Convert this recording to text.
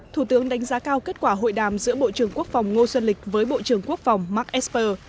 thủ tướng đánh giá cao kết quả hội đàm giữa bộ trưởng quốc phòng ngô xuân lịch với bộ trưởng quốc phòng mark esper